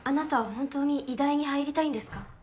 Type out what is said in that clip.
本当に医大に入りたいんですか？